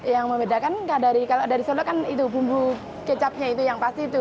yang membedakan kalau dari solo kan itu bumbu kecapnya itu yang pasti itu